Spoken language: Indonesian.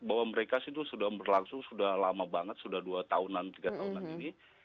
bahwa mereka itu sudah berlangsung sudah lama banget sudah dua tahunan tiga tahunan ini